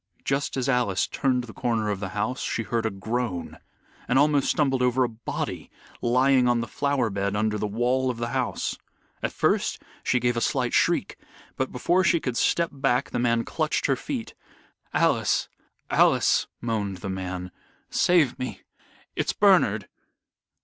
Just as Alice turned the corner of the house, she heard a groan, and almost stumbled over a body lying on the flower bed under the wall of the house. At first she gave a slight shriek, but before she could step back the man clutched her feet "Alice! Alice!" moaned the man. "Save me! it's Bernard."